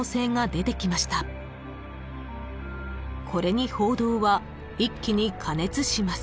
［これに報道は一気に過熱します］